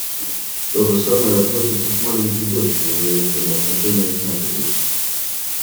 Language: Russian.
То же самое относится к маленькой дочери в ее взаимоотношениях с матерью.